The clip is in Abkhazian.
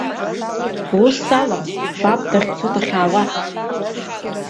Бусс алам, баб дахьцо, дахьаауа.